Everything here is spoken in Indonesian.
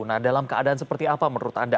nah dalam keadaan seperti apa menurut anda